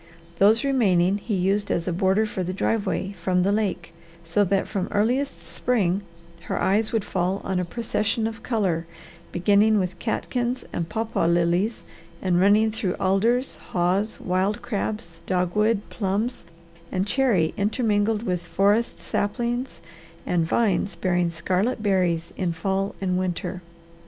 Those remaining he used as a border for the driveway from the lake, so that from earliest spring her eyes would fall on a procession of colour beginning with catkins and papaw lilies, and running through alders, haws, wild crabs, dogwood, plums, and cherry intermingled with forest saplings and vines bearing scarlet berries in fall and winter.